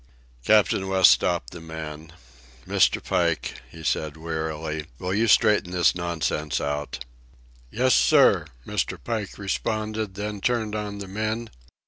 Captain West stopped the man. "Mr. Pike," he said wearily, "will you straighten this nonsense out." "Yes, sir," Mr. Pike responded, then turned on the men.